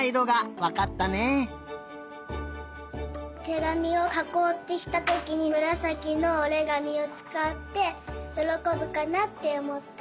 てがみをかこうってしたときにむらさきのおりがみをつかってよろこぶかなっておもった。